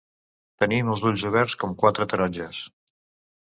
Tenim els ulls oberts com quatre taronges.